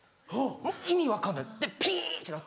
もう意味分かんないでピンってなって。